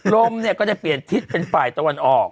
ลมเนี่ยก็ได้เปลี่ยนทิศเป็นฝ่ายตะวันออก